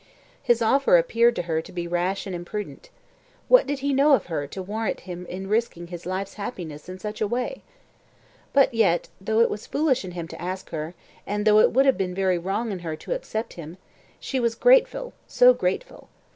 His offer appeared to her to be rash and imprudent. What did he know of her to warrant him in risking his life's happiness in such a way? But yet, though it was foolish in him to ask her, and though it would have been very wrong in her to accept of him, she was grateful, so grateful.